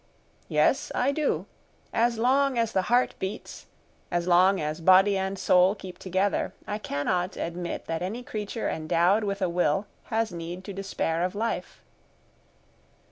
"Yes, I do; as long as the heart beats, as long as body and soul keep together, I cannot admit that any creature endowed with a will has need to despair of life."